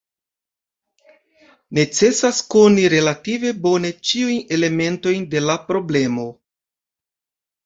Necesas koni relative bone ĉiujn elementojn de la problemo.